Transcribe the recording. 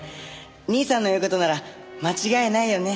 兄さんの言う事なら間違いないよね。